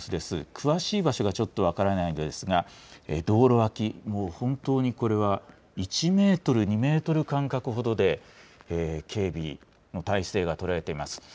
詳しい場所がちょっと分からないんですが、道路脇、もう本当にこれは１メートル、２メートル間隔ほどで警備の態勢が取られています。